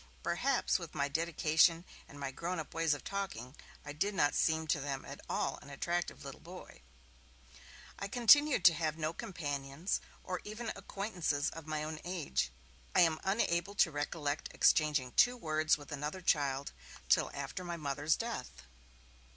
Perhaps, with my 'dedication' and my grown up ways of talking, I did not seem to them at all an attractive little boy. I continued to have no companions, or even acquaintances of my own age. I am unable to recollect exchanging two words with another child till after my Mother's death.